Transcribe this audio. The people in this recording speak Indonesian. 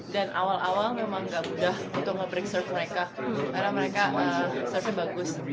dan awal awal memang gak mudah untuk nge break serve mereka karena mereka serve nya bagus